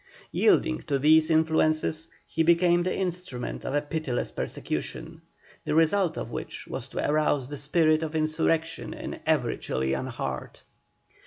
Yielding to these influences he became the instrument of a pitiless persecution, the result of which was to arouse the spirit of insurrection in every Chilian heart.